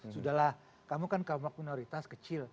sudahlah kamu kan kelompok minoritas kecil